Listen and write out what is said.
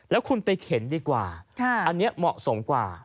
แล้วคุณไปเข็นดีกว่าอันนี้เหมาะสมกว่า